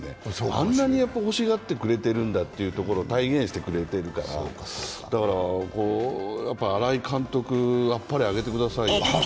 あんなに欲しがってくれてるんだというところを体現してくれてるから、新井監督、あっぱれあげてくださいよ。